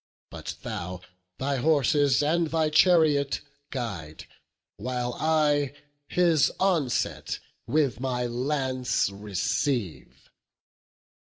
But thou thy horses and thy chariot guide, While I his onset with my lance receive."